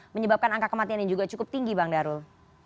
menyebabkan angka kematian yang juga cukup tinggi bang darul